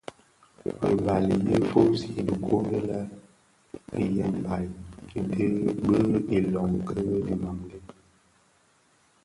Ribal Nyi fusii dhikuu di lenyambaï bi ilöň ki dhimandé.